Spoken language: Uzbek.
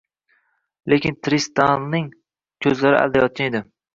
Lekin Trisdalning ko`zlari aldayotgan edi